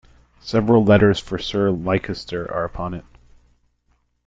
Several letters for Sir Leicester are upon it.